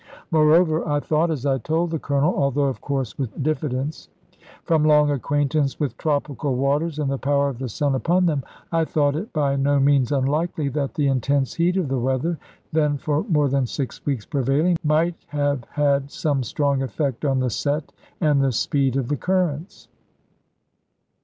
Moreover I thought, as I told the Colonel (although of course with diffidence), from long acquaintance with tropical waters and the power of the sun upon them, I thought it by no means unlikely that the intense heat of the weather, then for more than six weeks prevailing, might have had some strong effect on the set and the speed of the currents.